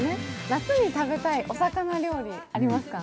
夏に食べたいお魚料理、ありますか？